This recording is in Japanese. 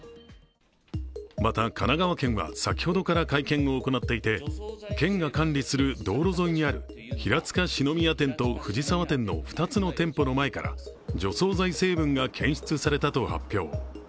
また神奈川県は先ほどから会見を行っていて県が管理する道路沿いにある平塚四之宮店と藤沢店の２つの店舗の前から、除草剤成分が検出されたと発表。